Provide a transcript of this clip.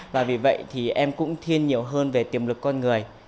và vì vậy thì em cũng thiên nhiều hơn về tiềm lực con người